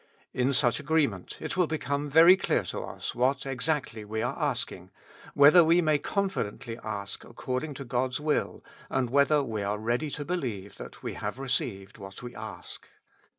In such agreement it will become very clear to us what exactly we are asking, whether we may confidently ask according to God's will, and whether we are ready to believe that we have received what we ask.